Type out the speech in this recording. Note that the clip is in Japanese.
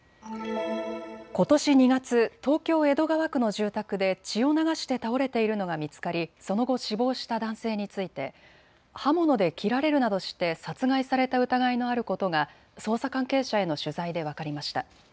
ことし２月、東京江戸川区の住宅で血を流して倒れているのが見つかりその後、死亡した男性について刃物で切られるなどして殺害された疑いのあることが捜査関係者への取材で分かりました。